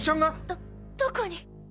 どどこに？